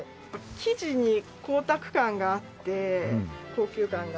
生地に光沢感があって高級感がある。